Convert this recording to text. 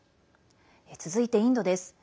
続いて、インドです。